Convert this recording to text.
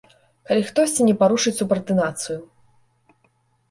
Калі хтосьці не парушыць субардынацыю.